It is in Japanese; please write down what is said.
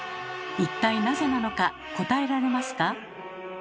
一体なぜなのか答えられますか？